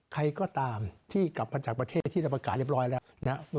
ใครก็ตามที่กลับมาจากประเทศที่เราประกาศเรียบร้อยแล้วนะ